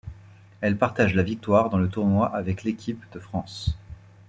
Elle partage la victoire dans le Tournoi avec l'équipe de France.